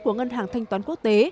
của ngân hàng thanh toán quốc tế